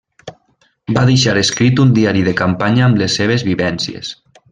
Va deixar escrit un diari de campanya amb les seves vivències.